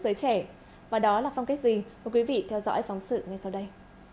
giới trẻ và đó là phong cách gì mời quý vị theo dõi phóng sự ngay sau đây